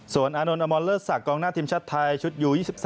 ส่วนอาโน้นลคษมาแล้วส่างงานทีมชัฟทายก็ชุดยู๒๓